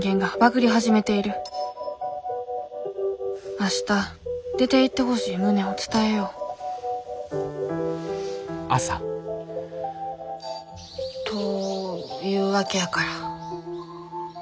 明日出ていってほしい旨を伝えようというわけやから。